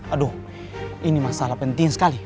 aduh ini masalah penting sekali